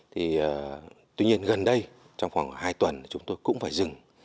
thì tuy nhiên gần đây trong khoảng hai tuần thì chúng tôi cũng phải dừng